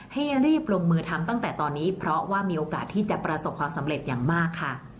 ให้รีบลงมือทำตั้งแต่ตอนนี้เพราะว่ามีโอกาสที่จะประสบความสำเร็จอย่างมากค่ะ